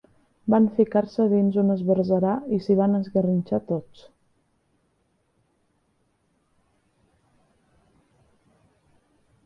Van ficar-se dins un esbarzerar i s'hi van esgarrinxar tots.